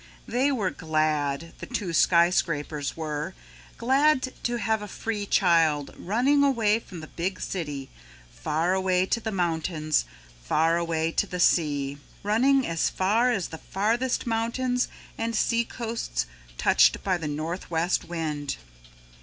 They were glad, the two skyscrapers were, glad to have a free child running away from the big city, far away to the mountains, far away to the sea, running as far as the farthest mountains and sea coasts touched by the Northwest Wind.